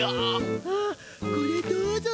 あこれどうぞ。